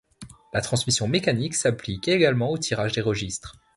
La transmission mécanique s'applique également au tirage des registres.